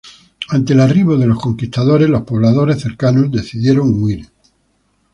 Ante el arribo de los conquistadores, los pobladores cercanos decidieron huir.